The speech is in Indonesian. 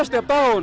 pesipal seperti ini